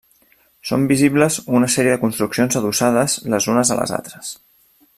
Són visibles una sèrie de construccions adossades les unes a les altres.